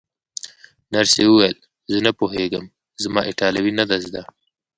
نرسې وویل: زه نه پوهېږم، زما ایټالوي نه ده زده.